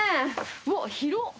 うわっ広！